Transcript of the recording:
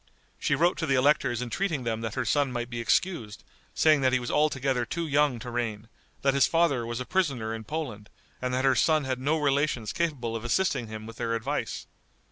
She wrote to the electors entreating them that her son might be excused, saying that he was altogether too young to reign, that his father was a prisoner in Poland, and that her son had no relations capable of assisting him with their advice.